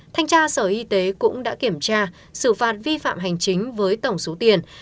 thanh tra sở y tế cũng đã kiểm tra xử phạt vi phạm hành chính với tổng số tiền